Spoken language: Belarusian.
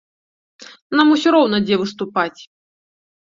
Нам усё роўна, дзе выступаць!